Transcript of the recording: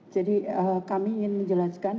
jadi kami ingin menjelaskan